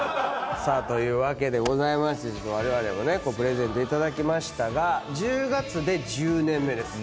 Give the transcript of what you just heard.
さあというわけでございましてわれわれもプレゼント頂きましたが１０月で１０年目です。